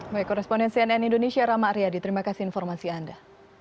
baik koresponden cnn indonesia rama aryadi terima kasih informasi anda